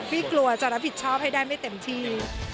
กลัวจะรับผิดชอบให้ได้ไม่เต็มที่